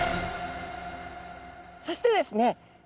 そしてですね